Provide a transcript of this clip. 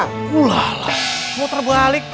mulalah mau terbalik